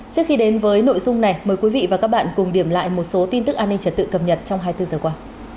trước khi đến với nội dung này mời quý vị và các bạn cùng điểm lại một số tin tức an ninh trật tự cập nhật trong hai mươi bốn giờ qua